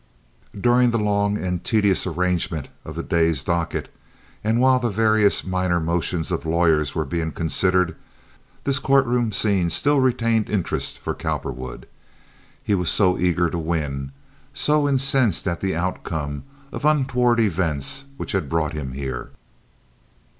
During the long and tedious arrangement of the day's docket and while the various minor motions of lawyers were being considered, this courtroom scene still retained interest for Cowperwood. He was so eager to win, so incensed at the outcome of untoward events which had brought him here.